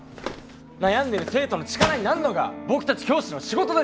悩んでる生徒の力になるのが僕たち教師の仕事です！